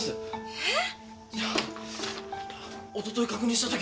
えっ？